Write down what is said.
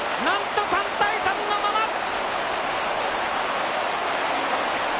なんと３対３のまま！